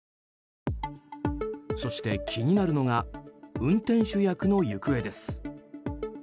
そして気になるのが運転手役の行方です。